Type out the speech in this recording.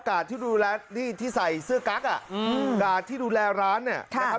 กาดที่ดูแลที่ใส่เสื้อกั๊กอ่ะกาดที่ดูแลร้านนี่นะครับ